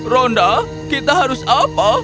rhonda kita harus apa